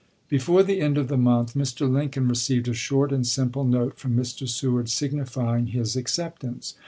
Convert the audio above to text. Before the end of the month, Mr. Lincoln re ceived a short and simple note from Mr. Seward signifying his acceptance.